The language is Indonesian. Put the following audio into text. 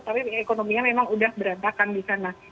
tapi ekonominya memang udah berantakan di sana